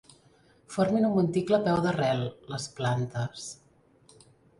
Formin un monticle a peu d'arrel, les plantes.